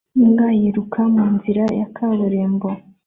Imbwa yiruka mu nzira ya kaburimbo